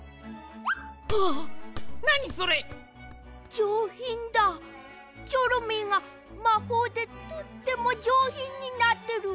じょうひんだチョロミーがまほうでとってもじょうひんになってる。